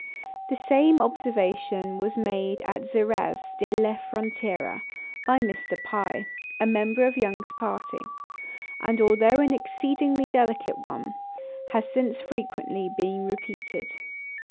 The same observation was made at Xerez de la Frontera by Mr. Pye, a member of Young's party; and, although an exceedingly delicate one, has since frequently been repeated.